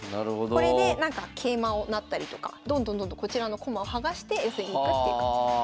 これで桂馬を成ったりとかどんどんどんどんこちらの駒を剥がして寄せに行くっていう感じです。